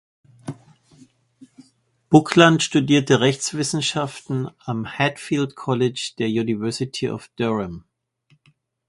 Buckland studierte Rechtswissenschaften am Hatfield College der University of Durham.